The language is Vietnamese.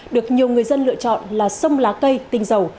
được nhiều người dân lựa chọn là sông lá cây tinh dầu